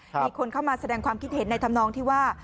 มีคนเข้ามาแสดงความคิดเห็นในธรรมนองที่ว่า